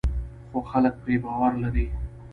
خو خلک پرې باور لري.